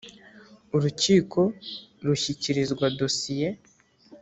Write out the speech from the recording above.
urukiko rushyikirizwa dosiye